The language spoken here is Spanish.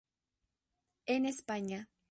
En España